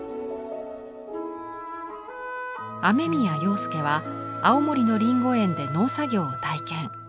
雨宮庸介は青森のりんご園で農作業を体験。